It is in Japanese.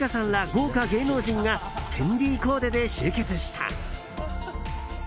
豪華芸能人がフェンディコーデで集結した。